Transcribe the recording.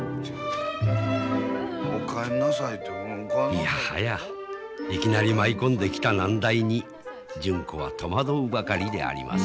いやはやいきなり舞い込んできた難題に純子は戸惑うばかりであります。